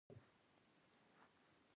هغه کلیزه زما د خوښې بالښت سره سمون نلري